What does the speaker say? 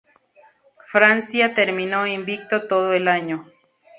Francia terminó invicto todo el año.